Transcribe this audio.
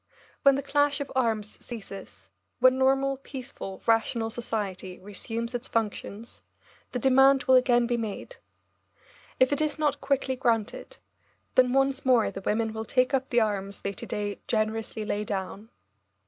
When the clash of arms ceases, when normal, peaceful, rational society resumes its functions, the demand will again be made. If it is not quickly granted, then once more the women will take up the arms they to day generously lay down.